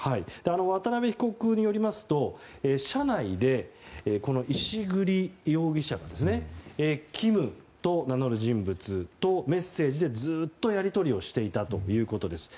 渡邉被告によりますと車内で、石栗容疑者がキムと名乗る人物とメッセージでずっと、やり取りをしていたということです。